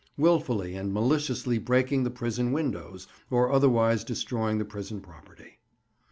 Wilfully and maliciously breaking the prison windows, or otherwise destroying the prison property.